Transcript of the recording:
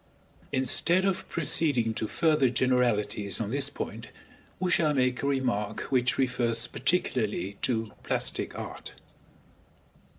Instead of proceeding to further generalities on this point, we shall make a remark which refers particularly to plastic art.